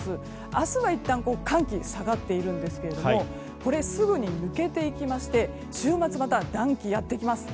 明日はいったん寒気で下がっているんですけれどもこれ、すぐに抜けていきまして週末、また暖気がやってきます。